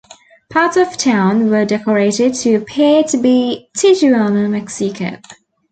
Parts of town were decorated to appear to be Tijuana, Mexico.